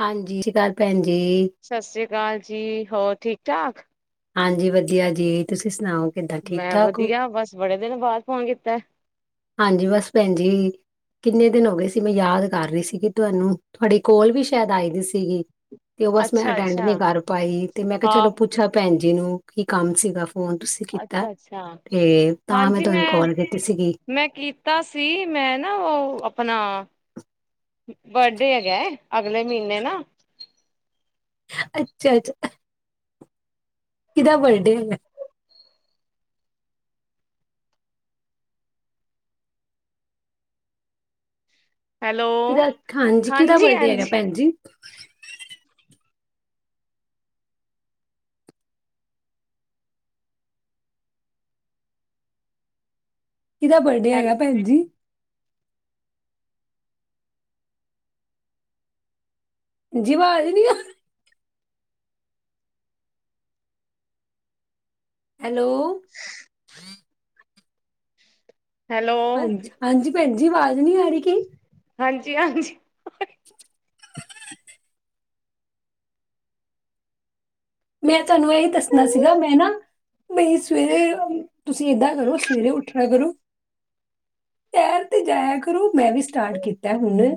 ਹਾਂਜੀ [unintelligible] [unintelligible] [unintelligible] ਜੀ ਹੋਰ ਠੀਕ ਠਾਕ ਹਾਂਜੀ ਵਧੀਆ ਜੀ ਤੁਸੀਂ ਸੁਣਾਓ ਕਿੱਦਾਂ ਮੈਂ ਠੀਕ-ਠਾਕ ਹੋ? ਵਧੀਆ ਬਸ ਬੜੇ ਦਿਨ ਬਾਅਦ ਫੋਨ ਕੀਤਾ ਹਾਂਜੀ ਬਸ ਭੈਣ ਜ ਕਿੰਨੇ ਦਿਨ ਹੋ ਗਏ ਸੀ ਮੈਂ ਯਾਦ ਕਰ ਰਹੀ ਸੀ ਕਿ ਤੁਹਾਨੂੰ ਤੁਹਾਡੇ ਕੋਲ ਵੀ ਸ਼ਾਇਦ ਆਈ ਦੀ ਸੀਗੀ ਤੇ ਉਹ ਬਸ ਮੈਂ ਅੱਛਾ ਅਟੈਂਡ ਅੱਛਾ ਨਹੀ ਕਰ ਪਾਈ ਤੇ ਮੈਂ ਕਿਹਾ ਹਾਂ ਚਲੋ ਪੁੱਛਾ ਭੈਣਜੀ [unintelligible] ਕੰਮ ਸੀਗਾ ਫੋਨ ਤੁਸੀਂ ਕੀਤਾ ਅੱਛਾ ਅੱਛਾ ਤੇ ਤਾਂ ਮੈਂ ਤੁਹਾਨੂੰ ਕਾੱਲ ਕੀਤੀ ਸੀਗੀ ਮੈਂ ਕੀਤਾ ਸੀ ਮੈਂ ਨਾ ਉਹ ਆਪਣਾ ਬਰਡੇ ਹੈਗਾ ਅਗਲੇ ਮਹੀਨੇ ਨਾ [unintelligible] ਕਿਦਾ ਬਰਡੇ ਹੈਗਾ ਹੈਲੋ ਕਿਹਦਾ ਹਾਂਜੀ, ਕਿਹਦਾ ਬਰਡੇ ਹੈਗਾ ਭੈਣ ਜੀ? ਕਿਹਦਾ ਬਰਡੇ ਹੈਲ ਹੈਗਾ ਭੈਣ ਜੀ? ਜੀ, ਵਾਜ਼ ਨੀ ਆਹ ਹੈਲੋ। ਹੂੰ। ਹੈਲੋ ਹਾਂਜੀ-ਹਾਂਜੀ, ਭੈਣਜ ਜੀ ਆਵਾਜ਼ ਨੀ ਆ ਰਹੀ ਕਿ? ਹਾਂਜੀ-ਹਾਂਜੀ, ਹ-ਹ ਮੈਂ ਤੁਹਾਨੂੰ ਇਹੀ ਦੱਸਣਾ ਸੀਗਾ, ਮੈਂ ਨਾ ਬਈ ਸਵੇਰੇ ਤੁਸੀਂ ਏਦਾਂ ਕਰੋ ਸਵੇਰੇ ਉੱਠਿਆ ਕਰੋ ਸੈਰ ਤੇ ਜਾਇਆ ਕਰੋ। ਮੈਂ ਵੀ ਸਟਾਰਟ ਕੀਤਾ ਹੁਣ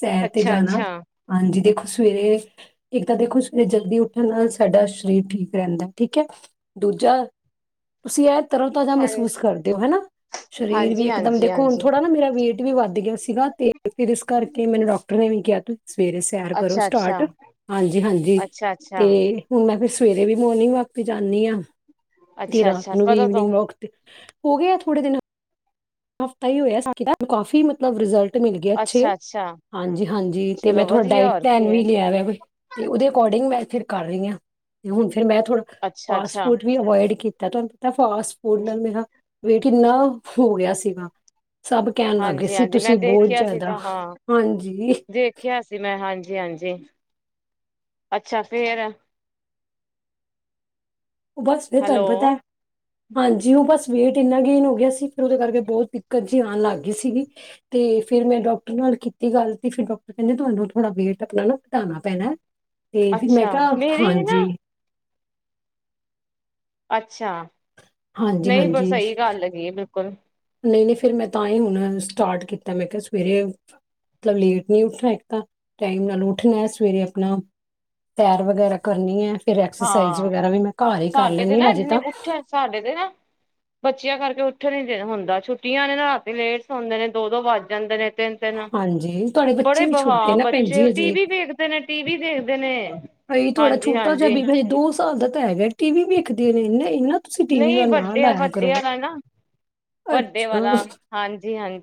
ਸੈਰ ਤੇ ਅੱਛਾ ਜਾਣਾ ਅੱਛਾ ਹਾਂਜੀ, ਦੇਖੋ ਸਵੇਰੇ ਇੱਕ ਤਾਂ ਦੇਖੋ ਸਵੇਰੇ ਜਲਦੀ ਉੱਠਣ ਨਾਲ ਸਾਡਾ ਸਰੀਰ ਠੀਕ ਰਹਿੰਦਾ ਠੀਕ ਹੈ ਦੂਜਾ ਤੁਸੀਂ ਹੈ ਤਰ੍ਹਾਂ-ਤਾਜ਼ਾ ਹਾਂਜੀ ਮਹਿਸੂਸ ਕਰਦੇਓ ਹੈਨਾ, ਸਰੀਰ ਵੀ ਹਾਂਜੀ ਇੱਕਦਮ ਹਾਂਜੀ ਦੇਖੋ ਹੁਣ ਹਾਂਜੀ ਥੋੜ੍ਹਾ ਨਾ ਮੇਰਾ ਵੇਟ ਵੀ ਵੱਧ ਗਿਆ ਸੀਗਾ ਤੇ ਫਿਰ ਇਸ ਕਰਕੇ ਮੈਨੂੰ ਡਾਕਟਰ ਨੇ ਵੀ ਕਿਹਾ ਤੁਸੀਂ ਸਵੇਰੇ ਸੈਰ ਕਰੋ ਅੱਛਾ ਅੱਛਾ ਸਟਾਰਟ ਹਾਂਜੀ-ਹਾਂਜੀ ਅੱਛਾ ਅੱਛਾ ਤੇ ਮੈਂ ਫਿਰ ਸਵੇਰੇ ਵੀ ਮੋਰਨਿੰਗ ਵਾਕ ਤੇ ਜਾਂਦੀ ਹਾਂ। ਤੇ ਅੱਛਾ ਰਾਤ ਅੱਛਾ ਨੂੰ ਵੀ ਕਦੋਂ ਤੋਂ ਈਵਨਿੰਗ ਵਾਕ ਤੇ। ਹੋ ਗਿਆ ਆ ਥੋੜੇ ਦਿਨ। ਹਫ਼ਤਾ ਹੀ ਹੋਇਆ ਸਟਾਰਟ ਕੀਤਾ, ਕਾਫੀ ਮਤਲਬ ਰਿਜ਼ਲਟ ਮਿਲ ਗਿਆ ਅੱਛੇ ਅੱਛਾ ਅੱਛਾ ਹਾਂਜੀ-ਹਾਂਜੀ, ਤੇ ਮੈਂ ਚਲੋ ਥੋੜਾ ਵਧੀਆ ਡਾਇਟ ਹੋਰ ਕੀ ਪਲੈਨ ਹੈ ਵੀ ਲਿਆ ਵਾ ਤੇ ਉਹਦੇ ਅਕੋਰਡਿੰਗ ਮੈਂ ਫਿਰ ਕਰ ਰਹੀ ਹਾਂ, ਤੇ ਹੁਣ ਫਿਰ ਮੈਂ ਥੋੜਾ ਅੱਛਾ ਫਾਸਟ ਅੱਛਾ ਫੂਡ ਵੀ ਅਵਇਡ ਕੀਤਾ। ਤਦਾ ਫਾਸਟ ਫੂਡ ਨਾਲ ਮੇਰਾ ਵੇਟ ਇੰਨਾ ਹੋ ਗਿਆ ਸੀ। ਸੀਗਾ ਸਭ ਕਹਿਣ ਲੱਗ ਗਏ ਹਾਂਜੀ ਸੀ ਹਾਂਜੀ ਮੈਂ ਤੁਸੀਂ ਬਹੁਤ ਦੇਖਿਆ ਸੀ ਜ਼ਿਆਦਾ, ਤਾਂ ਹਾਂ ਹਾਂਜੀ। ਜੀ ਹਾਂਜੀ ਅੱਛਾ, ਫੇਰ ਉਹ ਬਸ ਫਿਰ ਹੈਲੋ ਤੁਹਾਨੂੰ ਪਤਾ ਹੈ ਹਾਂਜੀ, ਉਹ ਬਸ ਵੇਟ ਇਨਾ ਗੇਨ ਹੋ ਗਿਆ ਸੀ ਫਿਰ ਉਹਦੇ ਕਰਕੇ ਬਹੁਤ ਦਿੱਕਤ ਜਿ ਆਉਣ ਲੱਗ ਗਈ ਸੀਗੀ, ਤੇ ਫੇਿਰ ਮੈਂ ਡਾਕਟਰ ਨਾਲ ਕੀਤੀ ਗੱਲ, ਤੇ ਫਿਰ ਡਾਕਟਰ ਕਹਿੰਦੇ ਤੁਹਾਨੂੰ ਥੋੜਾ ਵੇਟ ਆਪਣਾ ਨਾ ਘਟਾਉਣਾ ਪੈਣਾ। ਤੇ ਫਿਰ ਮੈਂ ਅੱਛਾ ਕਿਹਾ, ਮੇਰੀ ਨਾ ਹਾਂਜੀ। ਅੱਛਾ। ਹਾਂਜੀ ਨਹੀਂ, ਪਰ ਸਹੀ ਗੱਲ ਹੈਗੀ ਹੈ ਬਿਲ ਬਿਲਕੁਲ। ਨਹੀਂ-ਨਹੀਂ ਫਿਰ ਮੈਂ ਤਾਂ ਹੀ ਹੁਣ ਸਟਾਰਟ ਕੀਤਾ, ਮੈਂ ਕਿਹਾ ਸਵੇਰੇ ਮਤਲਬ ਲੇਟ ਨਹੀਂ ਉੱਠਣਾ, ਇੱਕ ਤਾਂ ਟਾਈਮ ਨਾਲ ਉੱਠਣਾ, ਸਵੇਰੇ ਆਪਣਾ ਸੈਰ ਵਗੈਰਾ ਕਰਨੀ ਹੈ। ਫਿਰ ਐਕਸਰਸਾਈਜ਼ ਹਾਂ ਵਗੈਰਾ ਵੀ ਮੈਂ ਘਰ ਹੀ ਕਰ ਸਾਡੇ ਤੇ ਲੈਂਦੀ ਨਾ ਹ ਅਜੇ ਇਨੀ ਤਾਂ। ਬੱਚੀਆਂ ਕਰਕੇ ਉੱਠਣ ਨੀ ਦੇ ਹੁੰਦਾ ਛੁੱਟੀਆਂ ਨੇ ਨਾ ਰਾਤੀ ਲੇਟ ਸੁਣਦੇ ਨੇ ਦੋ-ਦੋ ਵਜ ਜਾਂਦੇ ਨੇ। ਤਿੰਨ ਤਿੰਨ ਹਾਂਜੀ ਤੁਹਾਡੇ ਬੱਚੇ ਬੜੇ ਵੀ ਛੋਟੇ ਨਾ ਭੈਣ ਬੱਚੇ ਜੀ ਟੀ ਹਜੇ ਵੀ ਦੇੇਖਦੇ ਨੇ ਟੀਵ ਦੇਖਦੇ ਨੇ ਭਾਈ ਥੋੜਾ ਹਾਂਜੀ ਛੋਟਾ ਜਿਹਾ ਹਾਂਜੀ ਵੀ। ਹਜੇ ਦੋ ਸਾਲ ਦਾ ਤਾਂ ਹੈਗਾ ਟੀ ਵੀ ਵੇਖਦੇ ਨੇ ਇਹਨਾਂ ਇਹਨਾਂ। ਨਹੀਂ ਵੱਡੇ ਵੱਡੇ ਵਾਲਾ ਨਾ ਵੱਡੇ ਅੱਛਾ ਵਾਲਾ ਹਾਂਜੀ ਹਾਂਜੀ।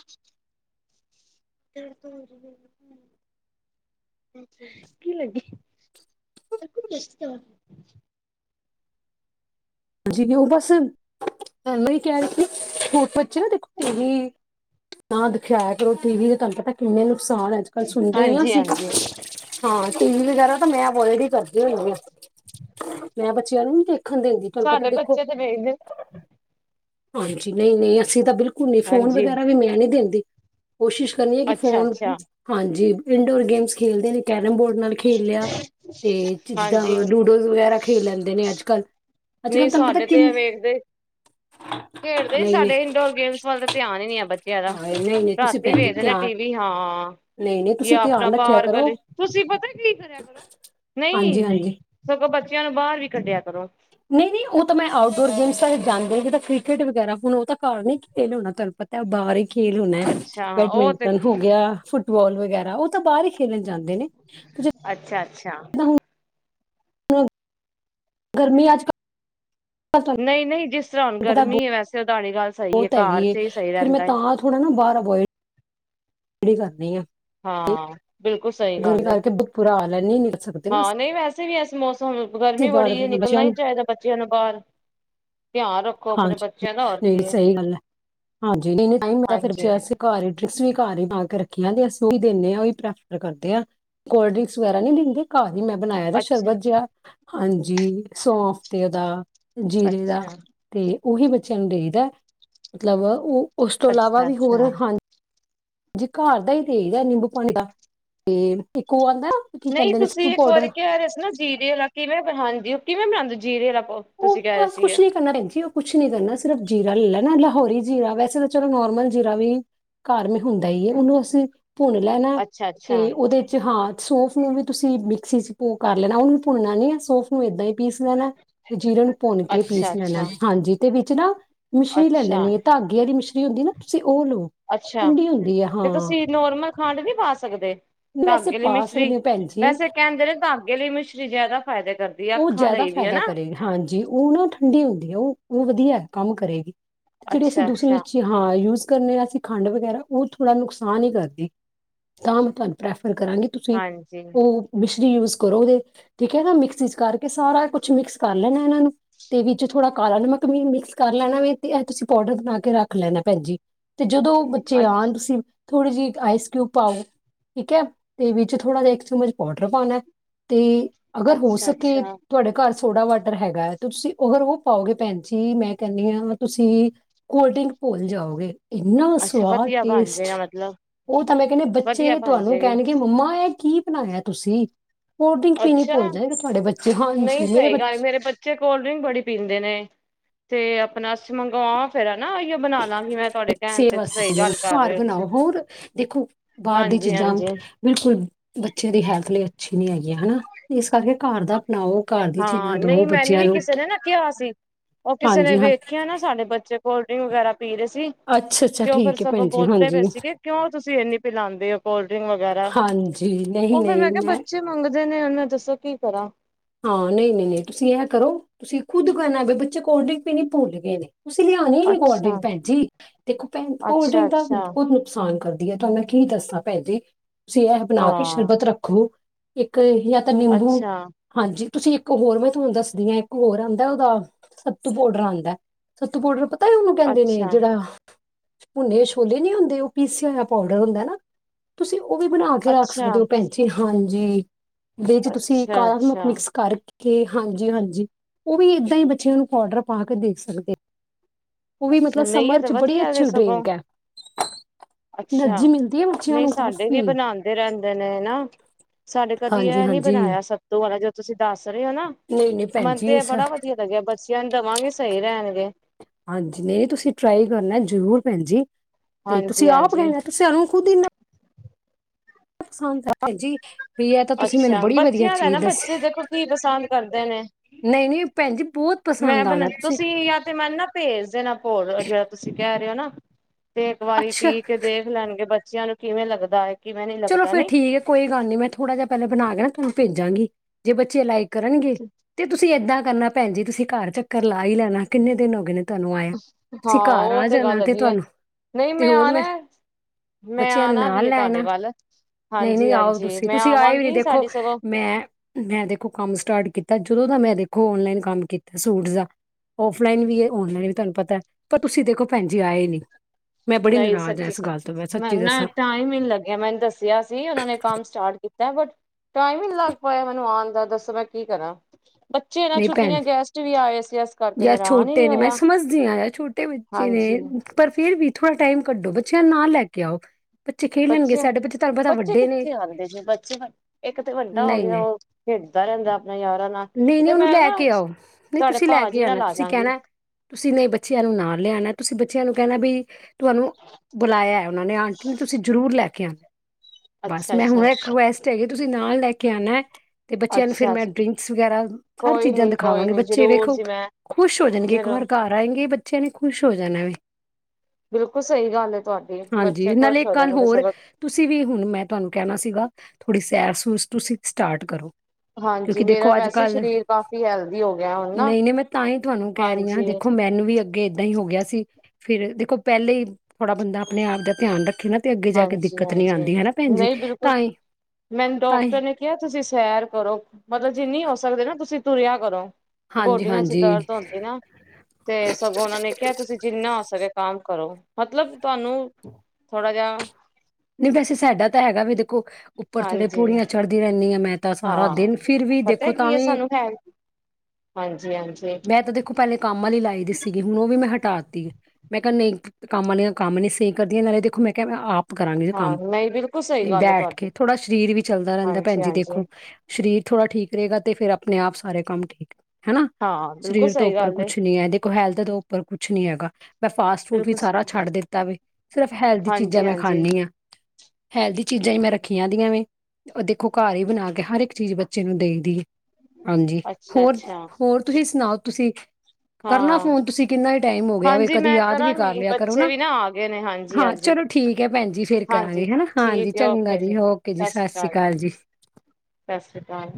ਅੱਛਾ। ਕੀ ਲੱਗਿਆ ਹਾਂਜੀ ਉਹ ਵੀ ਬਸ ਐਨਾ ਕਹਿ ਰਹੀ ਸੀ ਬੱਚੇ ਨਾ ਦੇਖੋ ਟੀ ਵੀ ਨਾ ਦਿਖਾਇਆ ਕਰੋ ਉਹ ਟੀ ਵੀ ਦੇ ਤੁਹਾਨੂੰ ਪਤਾ ਕਿੰਨੇ। ਨੁਕਸਾਨ ਅੱਜ ਕੱਲ੍ਹ ਸੁਣਦੇ ਹੀ ਹਾਂਜੀ ਅਸੀਂ। ਹਾਂਜੀ ਹਾਂ ਟੀ ਵੀ ਵਗੈਰਾ ਤਾਂ ਮੈਂ ਔਲਰੈਡੀ ਕਰਦੀ ਹੋਈ ਹਾਂ ਮੈਂ ਬੱਚਿਆਂ ਨੂੰ ਨੀ ਦੇਖਣ ਦਿੰਦੀ। ਤੁਹਾਨੂੰ ਪਤਾ ਸਾਡੇ ਦੇਖੋ ਬੱਚੇ ਤੇ ਵੇਖ ਦੇ। ਹਾਂਜੀ ਨਹੀਂ ਨਹੀਂ ਅਸੀਂ ਤਾਂ ਬਿਲਕੁਲ। ਫੋਨ ਹਾਂਜੀ ਵਗੈਰਾ ਵੀ ਮੈਂ ਨੀ ਦਿੰਦੀ। ਕੋਸ਼ਿਸ਼ ਕਰਨੀ ਹੈ ਕਿ ਅੱਛਾ ਫੋਨ ਅੱਛਾ ਹਾਂਜੀ। ਇੰਡੋਰ ਗੇਮਸ ਖੇਲਦੇ ਨੇ ਕੈਰਮ ਬੋਰਡ। ਨਾਲ ਖੇਲ ਲਿਆ ਤੇ ਜਿੱਦਾਂ ਹਾਂਜੀ ਲੂਡੋ ਵਗੈਰਾ ਖੇਲ ਲੈਂਦੇ ਨੇ ਅੱਜ। ਕੱਲ। ਅੱਜ ਨਹੀਂ ਕੱਲ੍ਹ ਤੁਹਾਨੂੰ ਪਤਾ ਸਾਡੇ ਤੇ ਐ ਕਿੰਨੇ ਵੇਖਦੇ। ਖੇਡਦੇ ਹੀ ਨਹੀਂ ਨਹੀਂ ਸਾਡੇ ਇੰਡੋਰ ਗੇਮਸ ਵੱਲ ਤਾਂ ਧਿਆਨ ਹੀ ਨਹੀਂ ਹੈ। ਜਿਆਦਾ ਹਾਂ ਨਹੀਂ ਨਹੀਂ ਤੁਸੀਂ ਰਾਤੀ ਭੈਣ ਜੀ ਵੇਖਦੇ ਨੇ ਧਿਆਨ ਟੀ ਵੀ ਹਾਂ ਨਹੀਂ ਨਹੀਂ ਤੁਸੀਂ ਜਾਂ ਆਪਣਾ ਧਿਆਨ ਰੱਖਿਆ ਬਾਹਰ ਕਰੋ ਗਲੀ ਤੁਸੀਂ ਪਤਾ ਕੀ ਕਰਿਆ ਕਰੋ ਹਾਂਜੀ ਨਹੀਂ ਹਾਂਜੀ ਸਗੋਂ ਬੱਚਿਆਂ ਨੂੰ ਬਾਹਰ ਵੀ ਕੱਢਿਆ ਕਰੋ। ਨਹੀਂ ਨਹੀਂ ਉਹ ਤਾਂ ਮੈਂ ਆਊਟਡੋਰ ਗੇਮਸ ਬਾਰੇ ਜਾਣਦੀ ਨੀ ਤਾਂ ਕ੍ਰਿਕਟ ਵਗੈਰਾ ਹੁਣ ਉਹ ਤਾਂ ਘਰ ਨੀ ਕਿਤੇ ਲਿਆਉਣਾ ਤੁਹਾਨੂੰ ਪਤਾ। ਬਾਹਰ ਰਹੀ। ਖੇਲ ਹੋਣਾ ਅੱਛਾ ਹਾਂ ਉਹ ਤੇ ਬੈਡਮਿੰਟਨ ਹੋ ਗਿਆ ਫੁੱਟਬਾਲ। ਫੁਟਬਾਲ ਵਗੈਰਾ ਉਹ ਤਾਂ ਬਾਹਰ ਹੀ ਖੇਲਣ। ਜਾਂਦੇ ਨੇ ਜੇ। ਹੈਆ। ਗਰਮੀ ਅੱਜ ਕੱਲ੍ਹ‌। ਨਹੀਂ ਨਹੀਂ ਜਿਸ। ਜਿਦਾਂ ਹੁਣ ਗਰਮੀ ਹੈ ਵੈਸੇ ਤੁਹਾਡੀ ਗੱਲ। ਸਹੀ ਹੈ ਬਹੁਤ ਹੈਗੀ ਘਰ ਏ ਚ ਹੀ ਸਹੀ ਫੇਰ ਮੈਂ ਰਹਿੰਦਾ ਹੈ ਤਾਂ ਥੋੜ੍ਹਾ ਨਾ ਬਾਹਰ ਹੋਈ। ਕਿਹੜੀ ਕਰਨੀ ਆ। ਹਾਂ ਬਿਲਕੁਲ। ਸਹੀ ਗਰਮੀ ਗੱਲ ਹੈ ਕਰਕੇ, ਬਹੁਤ ਬੁਰਾ ਹਾਲ ਹੈ। ਲੈਨੀ ਨੀ। ਹਾਂ ਨਹੀਂ ਵੈਸੇ ਵੀ, ਏਸ ਮੌਸਮ ਸੀ ਗਰਮੀ ਬਾਹਰ ਬੜੀ ਏ, ਫਿਰ ਨਿਕਲਣਾ ਬੱਚਿਆਂ ਹੀ ਨੀ ਨੂੰ ਚਾਹੀਦਾ ਬੱਚਿਆਂ ਨੂੰ। ਘਰ ਹਾਂਜੀ। ਨਹੀਂ ਸਹੀ ਗੱਲ ਹੈ। ਹਾਂਜੀ ਨਹੀਂ- ਨਹੀਂ ਹਾਂਜੀ। ਜੈਸ ਵੀ ਘਰੇ, ਟ੍ਰਿਕਸ ਵੀ ਕਰ ਰਹੀ ਉਹੀ ਦੇਨੇ ਆਂ, ਉਹੀ ਪ੍ਰੈਫਰ ਕਰਦੇ ਹਾਂ, ਕੋਲਡ ਡਰਿੰਕਸ ਵਗੈਰਾ ਨਹੀ ਦਿੰਦੇ ਘਰ ਮੈਂ ਬਣਾਇਆ ਤ ਅੱਛਾ, ਸ਼ਰਬਤ ਜਿਹਾ ਹਾਂਜੀ ਸੋਂਫ਼ ਤੇ, ਓਦਾ ਅੱਛਾ। ਅਤੇ ਉਹੀ ਬੱਚਿਆਂ ਨੂੰ ਦੇਈਦਾ ਮਤਲਬ। ਉਹ, ਉਸ ਤੋਂ ਇਲਾਵਾ ਅੱਛਾ, ਵੀ ਹੋਰ, ਅੱਛਾ। ਹਾਂਜੀ। ਜੀ ਘਰ ਦਾ ਹੀ ਦੇਈਦਾ ਨਿੰਬੂ ਪਾਣੀ ਦਾ, ਤੇ ਇੱਕੋ ਓ ਆ ਨਹੀਂ ਤੁਸੀਂ ਇੱਕ ਵਾਰੀ ਕਹਿ ਰਹੇ ਸੀ ਨਾ, ਜੀਰੇ ਵਾਲਾ ਕਿਵੇਂ ਹਾਂਜੀ ਉਹ ਕਿਵੇਂ ਬਣਾਂਦੇ? ਜੀਰੇ ਰੱਖ ਉਹ, ਬਸ ਕੁਛ ਨੀ ਕਰਨਾ ਭੈਣ ਜੀ, ਉਹ ਕੁਛ ਨੀ ਕਰਨਾ ਸਿਰਫ ਜੀਰਾ ਲੈ ਹਨ ਨਾ ਲਾਹੋਰੀ ਜੀਰਾ ਵੈਸੇ ਤਾਂ, ਚਲੋ ਨੋਰਮਲ ਜੀਰਾ ਵੀ ਘਰ ਮ ਹੁੰਦਾ ਹੀ ਹੈ ਉਹਨੂੰ ਅਸੀਂ ਭੁੰਨ ਲੈਣਾ ਅੱਛਾ, ਅੱਛਾ, ਤੇ ਉਹਦੇ 'ਚ ਹਾਂ ਸੋੰਫ ਨੂੰ ਵੀ ਤੁਸੀਂ ਮਿਕਸੀ 'ਚ ਭੋ ਕਰ ਲੈਣਾ ਉਹਨੂੰ ਭੁੰਨਣਾ ਨ ਨਹੀਂ ਹੈ ਸੋਫ ਨੂੰ ਏਦਾਂ ਹੀ ਪੀਸ ਲੈਣਾ। ਤੇ ਜੀਰੇ ਨੂੰ ਭੁੰਨ ਕੇ ਅੱਛਾ, ਪੀਸ ਲੈਣਾ ਅੱਛਾ, ਹਾਂਜੀ, ਤੇ, ਵਿਚ ਨਾ ਮਿਸ਼ਰੀ ਲੈ ਅੱਛਾ, ਲੈਂਨੀ ਆ, ਮਧਾਗੇ ਵਾਲੀ ਮਿਸ਼ਰੀ ਹੁੰਦੀ ਨਾ ਤੁਸੀਂ ਉਹ ਲਓ, ਅੱਛਾ। ਠੰਡੀ ਹੁੰਦੀ ਹੈ, ਤੇ ਹਾਂ। ਤੁਸੀਂ ਨੋਰਮਲ ਖੰਡ ਨਹੀਂ ਪਾ ਸਕਦੇ ਵੈਸੇ ਧਾਗੇ ਲਈ ਪਾ ਮਿਸ਼ਰੀ ਸਕਦੇ ਹੋ ਭੈਣ ਜੀ। ਚ, ਜ਼ਿਆਦਾ ਫਾਇਦੇ ਕਰਦੀ ਆ ਉਹ ਅੱਖਾਂ ਜ਼ਿਆਦਾ ਲਈ ਵੀ ਫਾਇਦਾ ਹਨਾ। ਕਰੇਗੀ ਹਾਂਜੀ। ਉਹ ਨਾ, ਠੰਡੀ ਹੁੰਦੀ ਹੈ ਉਹ ਉਹ ਵਧੀਆ ਕੰਮ ਕਰੇਗੀ। ਤੇ ਜਿਹੜੀ ਅਸੀਂ ਅੱਛਾ, ਦੂਸਰੀ ਅੱਛਾ 'ਚ ਹਾਂ ਯੂਜ ੇ ਹ ਅਸੀਂ ਖੰਡ ਵਗੈਰਾ, ਉਹ ਥੋੜਾ ਨੁਕਸਾਨ ਹੀ ਕਰਦੀ, ਤਾਂ, ਮੈਂ ਤੁਹਾਨੂੰ ਪ੍ਰੈਰ ਰ ਕਰਾਂਗੇ ਤੁਸੀਂ ਹਾਂਜੀ ਉਹ ਮਿਸ਼ ਯੂਜ ਕਰੋਂਗੇ ਠੀਕ ਹੈ ਨਾ ਮਿਕਸੀ 'ਚ ਕਰਕੇ ਸਾਰਾ ਕੁਛ ਮਿਕਸ ਕਰ ਲੈਣਾ ਇਹਨਾਂ ਨੂੰ, ਤੇ ਵਿੱਚ ਥੋੜਾ ਕਾਲਾ ਨਮਕ ਵੀ ਮਿਕਸ ਕਰ ਲੈਣਾ ਵੇ, ਤੇ ਇਹ ਤੁਸੀਂ ਪਾਊਡਰ ਬਣਾ ਕੇ ਰੱਖ ਲੈਣਾ ਭੈਣਜੀ। ਤੇ, ਜਦੋਂ ਬੱਚੇ ਅ ਆਉਣ, ਤੁਸੀਂ ਥੋੜ੍ਹੀ ਜਿਹੀ ਆਈਸ-ਕਿਊਬ ਪਾਓ। ਠੀਕ ਹੈ, ਤੇ ਵਿੱਚ ਥੋੜ੍ਹਾ ਜਹਾ ਇੱਕ ਚਮਚ ਪਾੋਡਰ ਪਾਣਾ ਤੇ, ਅਗਰ ਹੋ ਅੱਛਾ, ਸਕੇ ਤੇ, ਅੱਛਾ। ਤੁਹਾਡੇ ਘਰ'ਚ ਸੋਡਾ ਵਾਟਰ ਹੈਗਾ ਹੈ, ਤੇ ਤੁਸੀਂ ਅਗਰ ਉਹ ਪਾਓਗੇ ਭੈਣ ਜੀ, ਮੈਂ ਕਹਿੰਨੀ ਹਾਂ, ਤੁਸੀਂ ਕੋਲਡ ਡਰਿੰਕ ਭੁੱਲ ਜਾਓਗੇ। ਇੰਨਾ ਅੱਛਾ ਸਵਾਦ ਵਧੀਆ ਬਣ ਟੇਸਟ ਜਾਏਗਾ ਮਤਲਬ ਉਹ ਤਾਂ ਮੈਂ ਕਹਿੰਦੇ ਵਧੀਆ ਬੱਚੇ ਬਣ ਤੁਹਾਨੂੰ ਜਾਏਗੀ ਕਹਿਣਗੇ ਮੰਮਾ ਇਹ ਕੀ ਬਣਾਇਆ ਤੁਸੀਂ ਕੋਲਡਰਿੰਕ ਪੀ ਭੁੱਲ ਅੱਛਾ। ਜਾਏਗਾ ਤੁਹਾਡੇੱਚੇ ਨਹੀਂ ਸਹੀ ਗੱਲ ਮੇਰੇ ਬੱਚੇ ਕੋਲਡ ਡਰਿੰਕ ਬੜੀ ਪੀਂਦੇ ਨੇ ਤੇ ਆਪਣਾ ਅਸੀਂ ਮੰਗਵਾ ਫੇਿਰ ਸਿਹਤ ਸਹੀ ਵਾਸਤੇ ਗੱਲ ਕਰ ਰਹੇ ਘਰ ਹੋ ਤੁਸੀਂ। ਬਣਾਓ ਹੋਰ ਦੇਖੋ ਬਾਹਰ ਦੀ ਚੀਜ਼ਾਂ ਹਾਂਜੀ-ਹਾਂਜੀ ਬਿਲਕੁਲ ਬੱਚਿਆਂ ਦੀ ਹੈਲਥ ਲਈ ਅੱਛੀ ਨੀ ਹੈਗੀ ਹਨਾ ਇਸ ਕਰਕੇ ਘਰ ਦਾ ਬਣਾਓ ਘਰ ਦੀ ਚੀਜ਼ਾਂ ਹਾਂ ਦਿਓ ਨਹੀਂ ਮੈਨੂੰ ਬੱਚਿਆਂ ਵੀ ਨੂੰ ਕਿਸੇ ਨੇ ਨਾ ਕਿਹਾ ਸੀ ਉਹ ਕਿਸੇ ਨੇ ਹਾਂਜੀ ਹਾਂ ਵੇਖਿਆ ਨਾ ਸਾਡੇ ਬੱਚੇ ਕੋਲਡ ਡਿੰਕ ਵਗੈਰਾ ਪੀ ਰਹੇ ਸੀ ਅੱਛਾ ਅੱਛਾ ਤੇ ਉਹ ਫਿਰ ਠੀਕ ਹੈ ਸਗੋਂ ਭੈਣ ਜੀ ਬੋਲਦੇ ਪਏ ਹਾਂਜੀ ਸੀਗੇ ਕਿਉਂ ਤੁਸੀਂ ਇੰਨੀ ਪਿਲਾਉਂਦੇ ਹੋ ਕੋਲਡ ਡਰਿੰਕ ਵਗੈਰਾ ਹਾਂਜੀ ਨਹੀਂ ਉਹ ਫੇਿਰ ਨਹੀਂ ਮੈਂ ਕਿਹਾ ਬੱਚੇ ਮੰਗਦੇ ਨੇ ਉਹ ਦੱਸੋ ਕੀ ਕਰਾਂ ਹਾਂ ਨਹੀਂ ਨਹੀਂ ਨਹੀਂ ਤੁਸੀਂ ਇਹਂ ਕਰੋ ਤੁਸੀਂ ਖੁਦ ਕਹਿਨਾ ਬੱਚੇ ਕੋਲਡ ਡਰਿੰਕ ਵੀ ਨੀ ਭੁੱਲ ਗਏ ਨੇ ਤੁਸੀਂ ਲਿਆਣੇ ਹੀ ਨ ਕੋਲਡ ਅੱਛਾ, ਡਰਿੰਕ ਭੈਣਜੀ ਦੇਖੋ ਕੋਲਡ ਡਰਿੰਕ ਦਾ ਅੱਛਾ-ਅੱਛਾ ਬਹੁਤ ਨੁਕਸਾਨ ਕਰਦਾ ਤੁਹ ਮੈਂ ਕੀ ਦੱਸਾਂ ਭੈ ਜੇ ਤੁਸੀਂ ਇਹ ਬਣਾ ਕੇ ਹਾਂ ਸ਼ਰਬਤ ਰੱਖੋ ਇੱਕ ਜ ਤਾਂ ਨਿੰਬੂ ਅੱਛਾ, ਹਾਂਜੀ ਤੁਸੀਂ ਇੱਕ ਹੋਰ ਮੈਂ ਤੁਹਾਨੂੰ ਦੱਸਦੀ ਹ ਇੱਕ ਹੋਰ ਆਉਂਦਾ ਉਹਦਾ ਸੱਤੂ ਪਾਊਡਰ ਆਉਂਦਾ ਹੈੱੂ ਪਾਊਡਰ ਪਤਾ ਹੀ ਉਹਨੂੰ ਕਹਿੰਦੇ ਨੇ ਅੱਛਾ, ਜਿਹੜਾ ਭੁੰਨੇ ਛੋਲੇ ਨੀ ਹੁੰਦੇ ਉਹ ਪੀਸਿਆਆ ਪਾਊਡਰ ਹੁੰਦਾ ਨਾ ਤੁਸੀਂ ਉਹ ਵੀ ਬਣਾ ਕੇ ਰੱਖ ਅੱਛਾ, ਸਕਦੇ ਹੋ ਪੈਂਚੀ ਹਾਂਜੀ ਦੇ ਜੇ ਤੁਸੀਂ ਕਾਰਾਮਕ ਅੱਛਾ-ਅੱਛਾ ਮਿਕਸ ਕਰਕੇ ਕੇ ਹਾਂਜੀ ਹਾਂਜੀ ਉਹ ਵੀ ਏਦਾਂ ਹੀ ਬੱਚਿਆਂ ਨੂੰ ਪਡਰ ਪਾ ਕੇ ਦੇਖ ਸਕਦੇ ਆ ਉਹ ਵੀ ਅੱਛਾ ਮਤਲਬ ਨਹੀਂ ਇਹ ਸਮਰ ਤਾਂ ' ਬੜੀ ਵਧੀਆ ਜੇ ਅੱਛੀ ਸਗੋਂ ਡਰੀਕ ਹੈ ਅੱਛਾ ਐਨਰਜੀ ਮਿਲਦੀ ਹੈ ਬੱਚਿਆਂ ਨਹੀਂ ਨੂੰ ਸਾਡੇ ਵੀ ਕਾਫ਼ੀ ਬਣਾਉਂਦੇ ਰਹਿੰਦੇ ਨੇ ਨਾ ਸਾਡੇ ਕਦੀ ਇਹ ਨੀ ਹਾਂਜੀ-ਹਾਂਜੀ। ਬਣਾਇਆ ਸਭ ਤੋਂ ਵਾਲਾ ਜੋ ਤੁਸੀਂ ਦੱਸ ਰਹੇ ਹੋ ਨਾ ਨਹੀਂ-ਨਹੀਂ ਭੈਣ ਮਨ ਤੇ ਜੀ ਇਹ ਸ ਬੜਾ ਵਧੀਆ ਲੱਗਿਆ ਬੱਚਿਆਂ ਨੂੰ ਦੇਵਾਂਗੇ ਸਹੀ ਰਹਿਣਗੇ ਹਾਂਜੀ ਨਹੀਂ ਤੁਸੀਂ ਟਰਾਈ ਕਰਨਾ ਜ਼ਰੂਰ ਭੈਣ ਜ ਤੇ ਤੁਸੀਂ ਹਾਂਜੀ ਆਪ ਹਾਂਜੀ ਕਹਿਣਾ ਤੁਸੀਂ ਸਨੂੰ ਖੁਦਨਾ ੁਕਸਾਨ ਜੀ ਵੀ ਇਹ ਤਾਂ ਤੁਸੀਂ ਮੈਨੂੰ ਅੱਛਾ ਬੜੀ ਵਧੀਆ ਬੱਚਿਆਂ ਦਾ ਨਾ ਚੀਜ਼ ਦੱਸ ਬੱਚੇ ਦੇਖੋ ਕੀ ਪਸੰਦ ਕਰਦੇ ਨੇ ਨਹੀਂ ਨਹੀਂ ਭੈਣ ਜੀ ਬਹੁਤ ਮੈਂ ਪਸੰਦ ਬ ਆਣਾ ਤੁਸੀਂ ਜਾਂ ਤੇ ਮੈਨੂੰ ਨਾ ਭੇਜ ਦੇਣਾ ਭੋਲ ਜਿਹੜਾ ਤੁਸੀਂ ਕਹਿ ਰਹੇ ਹੋ ਨਾ ਤੇ ਇੱਕ ਵਾਰੀ ਅੱਛਾ ਪੀ ਕੇ ਦੇਖ ਲੈਣਗੇ ਬੱਚੇ ਬੱਚਿਆਂ ਨੂੰ ਕਿਵੇਂ ਲੱਗਦਾ ਹੈ ਕਿਵੇਂ ਨਹੀਂ ਚਲੋ ਲੱਗਦਾ ਫਿਰ ਨਹੀਂ ਠੀਕ ਕੋਈ ਗੱਲ ਨੀ ਮੈਂ ਥੋੜਾ ਜਿਹਾ ਪਹਿਲਾਂ ਬਣਾ ਕੇ ਨਾ ਤਾਨੂੰ ਭੇਜਾਂਗੀ ਜੇ ਬੱਚੇ ਲਾਈਕ ਕਰਨਗੇ ਤੇ ਤੁਸੀਂ ਇਦਾਂ ਕਰਨਾ ਭੈਣ ਜੀ ਤੁਸੀਂ ਘਰ ਚੱਕਰ ਲਾ ਹੀ ਲੈਣਾ ਕਿੰਨੇ ਦਿਨ ਹੋ ਗਏ ਨੇ ਤੁਹਾਨੂੰ ਆਇਆ ਹਾਂ ਤੁਸੀਂ ਘਰ ਉਹ ਆ ਤੇ ਜਾਣਾ ਗੱਲ ਹੈਗੀ ਹੈ ਤੁਹਾਨੂੰ ਨਹੀਂ ਤੇ ਮੈਂ ਹੋਰ ਆਣਾ ਮੈਂ ਬੱਚਿਆਂ ਨੂੰ ਆਣਾ ਨਾਲ ਵੀ ਲੈ ਤੁਹਾਡੇ ਆਣਾ ਵੱਲ ਨਹੀਂ ਨਹੀਂ ਆਓ ਹਾਂਜੀ-ਹਾਂਜੀ ਤੁਸੀਂ ਮੈਂ ਤੁਸੀਂ ਆਏ ਵੀ ਨਹੀਂ ਆਵਾਂਗੀ ਦੇਖੋ ਸਾਡੀ ਸਗੋਂ ਮੈਂ ਮੈਂ ਦੇਖੋ ਕੰਮ ਸਟਾਰਟ ਕੀਤਾ ਜਦੋਂ ਦਾ ਮੈਂ ਦੇਖੋ ਦੇੋ ਔਨਲਾਈਨ ਕੰਮ ਕੀਤਾ ਸੂਟ ਦਾ ਫਲਾਈਨ ਵੀ ਹੈ ਔਨਲਾਈਨ ਵੀ ਤੁਹਾਨੂੰ ਪਤਾ ਹੈ ਪਰ ਤੁਸੀਂ ਦੇਖੋ ਭੈਣਜੀ ਆਏ ਹੀ ਨਹੀਂ ਮੈਂ ਬੜੀ ਨਹੀਂ ਨਾਰਾਜ਼ ਹਾਂ ਸੱਚੀ ਇਸ ਸੱਚ ਗੱਲ ਤੋਂ ਮੈਂ ਸੱਚੀ ਨਾ ਦੱਸਾਂ ਟਾਈਮ ਹੀ ਨੀ ਲੱਗਿਆ ਮੈਨੂੰ ਦੱਸ ਸੀ ਉਹ ਨੇ ਕੰਮ ਸਟਾਰਟ ਕੀਤਾ ਬ ਟਾਈਮ ਸੀ ਹੀ ਲੱਗ ਪਾਇਆ ਮੈਨੂੰ ਆਉਣ ਦਾ ਦੱਸੋ ਮੈਂ ਕੀ ਕਰਾਂ ਬੱਚੇ ਨਾ ਨਹੀਂ ਭੈਣ ਛੁੱਟੀਆਂ ਗੈਸਟ ਵੀ ਆਏ ਸੀ ਇਸ ਕਰਕੇ ਜਾਂ ਮੇਰਾ ਆਣ ਹੀ ਛੋਟੇ ਨੀ ਨੇ ਮੈਂ ਹੋਇਆ ਸਮਝਦੀ ਹਾਂ ਯ ਛੋਟੇ ਬੱਚੇ ਹਾਂਜੀ। ਨੇ ਪਰ ਫਿਰ ਵੀ ਥੋੜਾ ਟਾਈਮ ਕੱਢੋ ਬੱਚਿਆਂ ਨਾਲ ਲੈ ਕੇ ਆਓ ਖੇਲਣਗੇ ਬੱਚੇ ਸਾਡੇ ਤੁਹਾਨੂੰ ਪਤਾ ਬੱਚੇ ਵੱਡੇ ਨੇ ਕਿੱਥੇ ਆਉਦੇ ਸੀ ਬੱਚੇ ਇੱਕ ਤੇ ਵੱਡਾ ਹੋ ਨਹੀਂ ਗਿਆ ਨਹੀਂ ਉਹ ਖੇਡਦਾ ਰਹਿੰਦਾ ਆਪਣੇ ਯਾਰਾਂ ਨਾਲ ਨਹੀਂ ਨਹੀਂ ਮੈਂ ਲੈ ਨਾ ਕੇ ਆਓ ਨਹੀਂ ਤੁਹਾਡੇ ਤੁਸੀਂ ਲੈ ਕੇ ਭਾਜੀ ਆਉਣਾ ਨਾਲ ਆ ਤੁਸੀਂ ਜਾਂਗੀ ਕਹਿਣਾ ਤੁਸੀਂ ਨਹੀਂ ਬੱਚਿਆਂ ਨੂੰ ਨਾ ਲਿਆਉਣਾ ਤੁਸੀਂ ਬੱਚਿਆਂ ਨੂੰ ਕਹਿਣਾ ਬਈ ਤੁਹਾਨੂੰ ਬੁਲਾਇਆ ਉਹਨਾਂ ਨੇ ਆਂਟੀ ਨੇ ਤੁਸੀਂ ਜਰੂਰ ਲੈ ਕੇ ਆਉਣਾ ਬਸ ਮੈਂ ਹੁਣ ਅੱਛਾ-ਅੱਛਾ, ਇੱਕ ਰਿਕੁਐਸਟ ਹੈਗੀ ਤੁਸੀਂ ਨਾਲ ਲੈ ਕੇ ਆਉਣਾ ਅਤੇ ਬੱਚਿਆਂ ਨੂੰ ਫਿਰ ਮੈਂ ਅੱਛਾ-ਅੱਛਾ ਡਰਿੰਕਸ ਵਗੈਰਾ ਸਰ ਕੋਈ ਚੀਜ਼ਾਂ ਨੀ ਕੋਈ ਦਿਖਾਵਾਂਗੇ ਨੀ ਬੱਚੇ ਜ਼ਰੂਰ ਵੇਖੋ ਜੀ ਮੈਂ ਖੁਸ਼ ਹੋ ਜਾਣਗੇ ਇੱਕ ਜ਼ਰੂਰ ਵਾਰ ਘਰ ਆਏਗੇ ਬੱਚਿਆਂ ਨੇ ਖੁਸ਼ ਹੋ ਜਾਣਾਵੇ ਬਿਲਕੁਲ ਸਹੀ ਗੱਲ ਹੈ ਤੁਹਾਡੀ ਹਾਂਜੀ ਬੱਚੇ ਨਾਲੇ ਖੁਸ਼ ਇੱਕ ਹੋ ਗੱਲ ਜਾਣਗੇ ਹੋਰ ਸਗੋਂ ਤੁਸੀਂ ਵੀ ਹੁਣ ਮੈਂ ਤੁਹਾਨੂੰ ਕਹਿਣਾ ਸੀਗਾ ਥੋੜੀ ਤੈਰਸੂਸ ਤੁਸੀਂ ਸਟਾਰਟ ਕਰੋ ਹਾਂਜੀ ਕਿਉਂਕਿ ਮੇਰਾ ਦੇਖੋ ਅੱਜ ਵੈਸੇ ਕੱਲ ਸਰੀਰ ਕਾਫੀ ਨਹੀਂ ਨਹੀਂ ਮੈਂ ਤਾਂ ਹੀ ਤੁਹਾਨੂੰ ਕਹਿ ਰਹੀ ਹੈ ਹਾਂਜੀ ਦੇਖੋ ਮੈਨੂੰ ਵੀ ਅੱਗੇ ਏਦਾਂ ਹੀ ਹੋ ਗਿਆ ਸੀ ਫਿਰ ਦੇਖੋ ਪਹਿਲੇ ਹੀ ਥੋੜ੍ਹਾ ਬੰਦਾ ਆਪਣੇ ਆਪ ਦਾ ਧਿਆਨ ਰੱਖ ਹਾਂਜੀ ਹਾਂਜੀ ਜੀ ਨਹੀਂ ਬਿਲਕੁਲ ਤਾਂ ਹੀ ਮੈਨੂੰ ਤਾਂ ਡਾਕਟਰ ਹੀ ਨੇ ਕਿਹਾ ਤੁਸੀਂ ਸੈਰ ਕਰੋ ਮਤਲਬ ਜੇ ਨਹੀਂ ਹੋ ਸਕਦੇ ਨਾ ਤੁਸੀਂ ਤੁਰਿਆ ਕਰੋ ਹਾਂਜੀ ਗੋਡਿਆਂ ਚ ਹਾਂਜੀ ਦਰਦ ਹੁੰਦੀ ਨਾ ਤੇ ਸਗੋਂ ਉਹਨਾਂ ਨੇ ਕਿਹਾ ਤੁਸੀਂ ਜਿੰਨਾ ਆ ਸਕੇ ਕੰਮ ਕਰੋ ਮਤਲਬ ਤੁਹਾਨੂੰ ਥੋੜਾ ਜਿਹਾ [inaudible] ਨਹੀਂ ਵੈਸੇ ਸਾਡਾ ਤਾਂ ਹੈਗਾ ਵੀ ਦੇਖੋ ਉੱਪਰ ਥੜੇ ਹਾਂਜੀ ਪੂੜੀਆਂ ਚੜ੍ਹਦੀ ਰਹਿੰਦੀ ਹੈ ਮੈਂ ਤਾਂ ਸਾਰਾ ਹਾਂ ਦਿਨ ਫਿਰ ਵੀ ਪਤਾ ਦੇਖੋ ਤਾਂ ਕੀ ਹੈ ਵੀ ਸਾਨੂੰ ਹੈ ਹਾਂਜੀ ਹਾਂਜੀ ਮੈਂ ਤਾਂ ਦੇਖੋ ਪਹਿਲੇ ਕੰਮ ਵਾਲੀ ਲਾਈ ਦੀ ਸੀਗੀ ਹੁਣ ਉਹ ਵੀ ਮੈਂ ਹ ਘਟਾ ਤੀ ਮੈਂ ਕਿਹਾ ਨਹੀਂ ਕੰਮ ਵਾਲੀਆਂ ਦਾ ਕੰਮ ਨੀ ਸਹੀ ਕਰਦੀਆਂ ਨਾਲੇ ਦੇਖੋ ਮੈਂ ਕਿਹਾ ਆਪ ਕਰਾਂਗੇ ਹਾਂ ਕੰਮ ਨਹੀਂ ਬਿਲਕੁਲ ਸਹੀ ਤੇ ਗੱਲ ਹੈ ਬੈਠ ਤੁਹਾਡੀ ਕੇ ਥੋੜ੍ਹਾ ਸਰੀਰ ਵੀ ਚੱਲਦਾ ਰਹਿੰਦਾ ਭੈਣ ਹਾਂਜੀ ਜੀ ਹਾਂਜੀ ਦੇਖੋ ਸਰੀਰ ਥੋੜਾ ਠੀਕ ਰਹੇਗਾ ਤੇ ਫੇਿਰ ਆਪ ਆਪਣੇ ਆਪ ਸਾਰੇ ਕੰਮ ਠੀਕ ਹਨਾ ਹਾਂ ਬਿਲਕੁਲ ਸਰੀਰ ਤੋਂ ਸਹੀ ਉੱਪਰ ਗੱਲ ਕੁਛ ਨੀ ਹੈ ਦੇਖੋ ਹੈਲਥ ਤੋਂ ਉੱਪਰ ਕੁਛ ਨੀ ਹੈਗਾ ਮੈਂ ਫਾਸਟ ਫੂਡ ਵੀ ਬਿਲਕੁਲ ਸਾਰਾ ਛੱਡ ਦਿੱਤਾ ਵਵੇ ਸਿਰਫ਼ ਹੈਲਦੀ ਚੀਜ਼ਾਂ ਮੈਂ ਹਾਂਜੀ-ਹਾਂਜੀ, ਖਾਂਦੀ ਹਾਂ ਹੈਲਦੀ ਚੀਜ਼ਾਂ ਹੀ ਮੈਂ ਰੱਖੀਆਂ ਦੀਆਂ ਵ ਉਹ ਦੇਖੋ ਘਰ ਹੀ ਬਣਾ ਕੇ ਹਰ ਇੱਕ ਚੀਜ਼ ਬੱਚੇ ਨੂੰ ਦੇਈ ਦੀਏ ਹਾਂਜੀ ਹੋਰ ਅੱਛਾ-ਅੱਛਾ ਹੋਰ ਤੁਸੀਂ ਸੁਣਾਓ ਤੁਸੀਂ ਕਰਨਾ ਹਾਂ। ਫੋਨ ਤੁਸੀਂ ਕਿੰਨਾ ਹੀ ਟਾਈਮ ਹੋ ਗਿਆ ਹਾਂਜੀ ਕਦੇ ਮੈਂ ਯਾਦ ਵੀ ਕਰ ਕਰਾਂਗੀ ਲਿਆ ਕਰੋ ਬੱਚੇ ਨਾ ਵੀ ਆ ਗਏ ਨੇ ਹਾਂ ਹਾਂਜੀ-ਹਾਂਜੀ। ਚਲੋ ਠੀਕ ਭੈਣ ਜੀ ਫਿਰ ਕਰਾਂਗੇ ਹਨਾ ਹਾਂਜੀ ਚੰਗਾ ਜੀ ਓਕੇ ਜੀ ਸਤਿ ਸ੍ਰੀ ਅਕਾਲ ਜੀ ਸਤਿ ਸ੍ਰੀ ਅਕਾਲ।